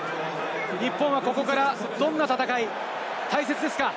日本はここからどんな戦い、大切ですか？